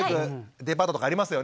デパートとかありますよね。